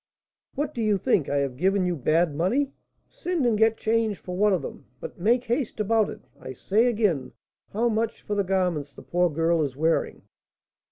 "What! do you think I have given you bad money? Send and get change for one of them; but make haste about it. I say, again, how much for the garments the poor girl is wearing?"